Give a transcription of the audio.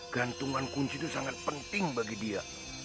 gantungan kunci itu sangat penting bagi dia